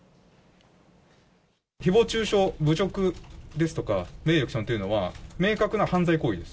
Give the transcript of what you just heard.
ひぼう中傷、侮辱ですとか、名誉毀損というのは、明確な犯罪行為です。